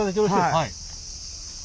はい。